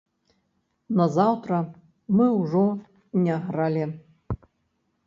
Назаўтра мы ўжо не гралі.